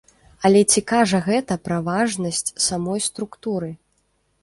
Але ці кажа гэта пра важнасць самой структуры?